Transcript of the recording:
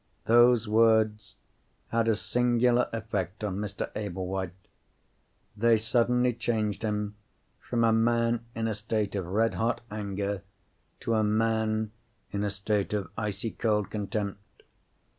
Those words had a singular effect on Mr. Ablewhite. They suddenly changed him from a man in a state of red hot anger to a man in a state of icy cold contempt.